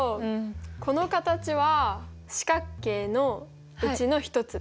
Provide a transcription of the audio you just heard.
この形は四角形のうちの１つです。